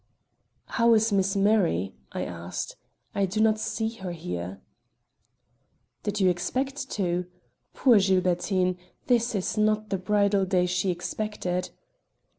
"How is Miss Murray?" I asked. "I do not see her here." "Did you expect to? Poor Gilbertine! This is not the bridal day she expected."